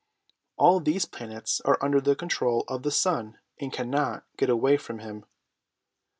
All these planets are under the control of the sun, and cannot get away from him."